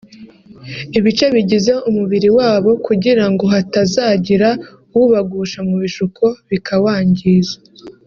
ibice bigize umubiri wabo kugira ngo hatazagira ubagusha mu bishuko bikawangiza